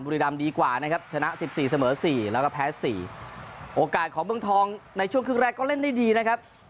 บุรีรำดีกว่านะครับชนะสิบสี่เสมอสี่แล้วก็แพ้สี่โอกาสของเมืองทองในช่วงครึ่งแรกก็เล่นได้ดีนะครับ